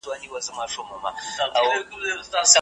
ځوانان باید هدف ولري.